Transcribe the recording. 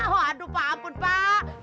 waduh pak ampun pak